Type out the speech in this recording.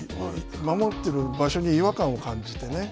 守ってる場所に違和感を感じてね。